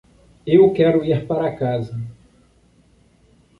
Eu quero ir para casa.